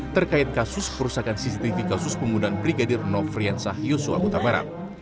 terkait kasus perusahaan cctv kasus penggunaan brigadir nofrian sahyuswa kota meram